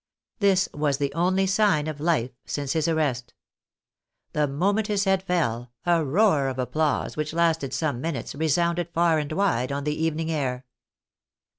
This was the only sign of life since his arrest. The moment his head fell, a roar of applause, which lasted some minutes, resounded far and wide on the evening air.